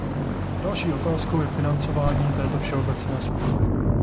Další otázkou je financování této všeobecné služby.